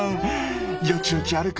よちよち歩く